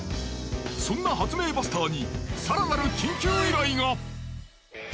そんな発明バスターに更なる緊急依頼が。